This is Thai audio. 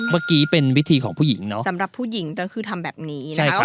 เมื่อกี้เป็นวิธีของผู้หญิงเนาะสำหรับผู้หญิงก็คือทำแบบนี้นะคะ